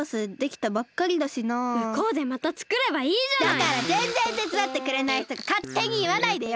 だからぜんぜんてつだってくれないひとがかってにいわないでよ！